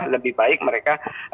lebih baik mereka